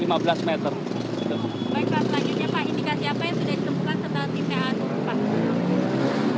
baik pak selanjutnya pak indikasi apa yang sudah ditemukan tentang tkp